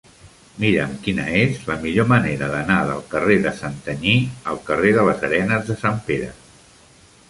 Mira'm quina és la millor manera d'anar del carrer de Santanyí al carrer de les Arenes de Sant Pere.